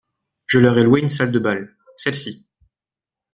Je leur ai loué une salle de bal, celle-ci.